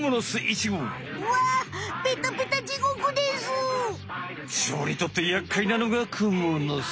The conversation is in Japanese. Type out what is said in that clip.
チョウにとってやっかいなのがクモの巣。